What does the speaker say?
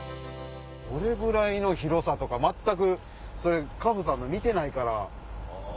どれぐらいの広さとか全く果歩さんの見てないから。